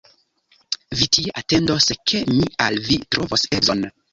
Vi tie atendos, ke mi al vi trovos edzon.